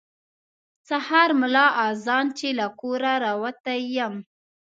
سهار ملا اذان چې له کوره راوتی یم.